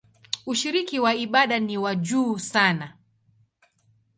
Ushiriki wa ibada ni wa juu sana.